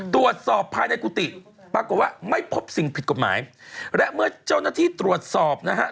ตรวจสอบภายในกุฏิปรากฏว่าไม่พบสิ่งผิดกฎหมายและเมื่อเจ้าหน้าที่ตรวจสอบนะฮะ